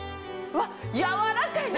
わっやわらかい！